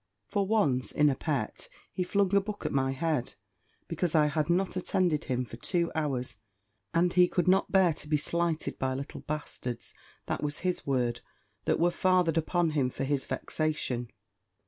For once, in a pet, he flung a book at my head, because I had not attended him for two hours, and he could not bear to be slighted by little bastards, that was his word, that were fathered upon him for his vexation!